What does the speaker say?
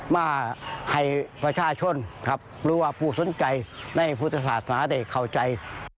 มาให้ประชาชนครับหรือว่าผู้สนใจในพุทธศาสนาได้เข้าใจ